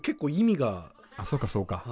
あそっかそうか。